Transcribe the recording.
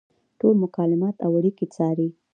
ټول مکالمات او اړیکې څاري.